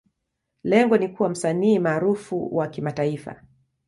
Lengo ni kuwa msanii maarufu wa kimataifa.